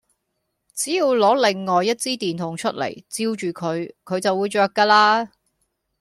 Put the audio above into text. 只要攞另外一支電筒出嚟，照住佢，佢就會著架喇